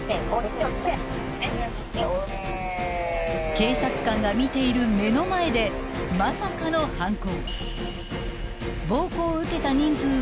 ［警察官が見ている目の前でまさかの犯行］